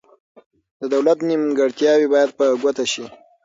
د دولت نیمګړتیاوې باید په ګوته شي.